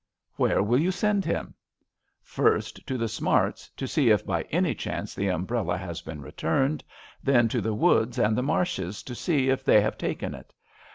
" Where will you send him ?*'" First to the Smarts, to see if by any chance the umbrella has been returned ; then to the Woods and the Marshs, to see if they have taken it.